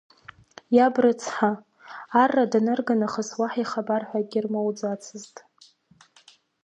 Иаб рыцҳа, арра данырга нахыс уаҳа ихабар ҳәа акгьы рмоуӡацызт.